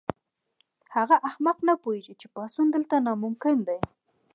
هغه احمق نه پوهیږي چې پاڅون دلته ناممکن دی